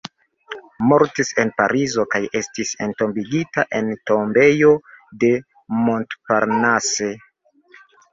Mortis en Parizo kaj estis entombigita en Tombejo de Montparnasse.